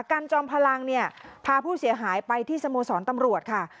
กันจอมพลังเนี่ยพาผู้เสียหายไปที่สโมสรตำรวจค่ะ